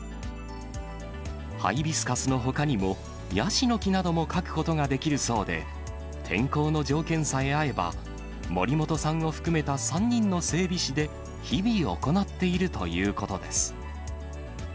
ハイビスカスのほかにも、ヤシの木なども描くことができるそうで、天候の条件さえ合えば、森本さんを含めた３人の整備士で日々、行っているということです。